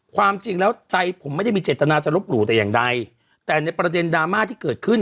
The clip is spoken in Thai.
ความจริงแล้วใจผมไม่ได้มีเจตนาจะลบหลู่แต่อย่างใดแต่ในประเด็นดราม่าที่เกิดขึ้น